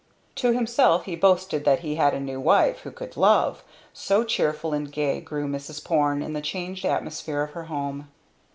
To himself he boasted that he had a new wife who could love so cheerful and gay grew Mrs. Porne in the changed atmosphere of her home.